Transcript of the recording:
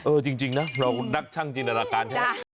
จริงนะเรานักช่างจินตนาการใช่ไหม